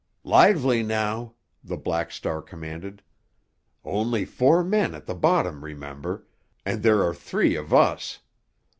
"Lively now," the Black Star commanded. "Only four men at the bottom, remember, and there are three of us.